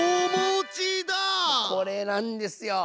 これなんですよ。